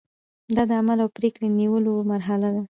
دا د عمل او پریکړې نیولو مرحله ده.